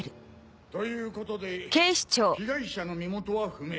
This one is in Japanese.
ということで被害者の身元は不明。